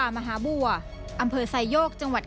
โดยย้ำว่าให้ทำอย่างโปร่งใสแล้วก็เป็นธรรม